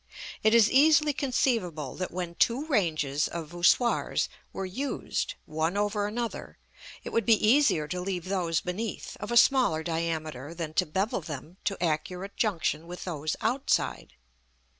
It is easily conceivable that when two ranges of voussoirs were used, one over another, it would be easier to leave those beneath, of a smaller diameter, than to bevel them to accurate junction with those outside.